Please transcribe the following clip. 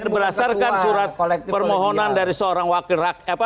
berdasarkan surat permohonan dari seorang wakil rakyat